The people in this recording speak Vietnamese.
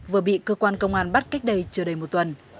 vừa bị cơ quan công an bắt cách đây chưa đầy một tuần